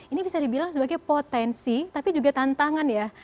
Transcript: ini bisa dibilang sebagai potensi tapi juga tantangan ya